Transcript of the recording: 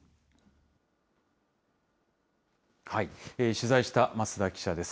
取材した増田記者です。